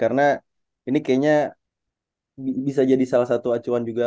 karena ini kayaknya bisa jadi salah satu acuan juga untuk kita